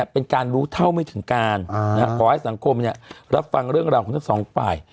เป็นการรู้เท่าไม่ถึงการขอให้สังคมรับฟังเรื่องราวของทั้งสองฝ่าย